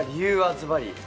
ズバリ。